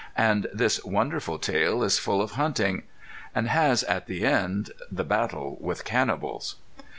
And this wonderful tale is full of hunting, and has at the end the battle with cannibals.